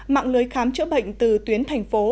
mạng lưới khám chữa bệnh từ tuyến thành phố